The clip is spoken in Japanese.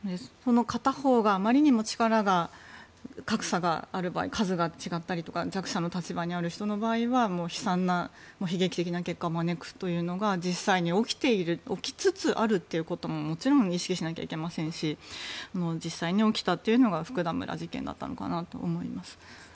片方があまりにも力の格差がある場合数が違ったり弱者の立場にある人の場合は悲惨な悲劇的な結果を招くというのが実際に起きている起きつつあるということももちろん意識しなきゃいけませんし実際に起きたというのが福田村事件だったのかなと思います。